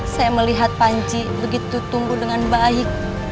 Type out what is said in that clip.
saya melihat panci begitu tumbuh dengan baik